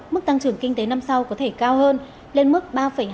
mức tăng trưởng kinh tế năm sau có thể cao hơn lên mức ba hai